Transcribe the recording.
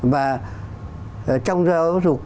và trong giáo dục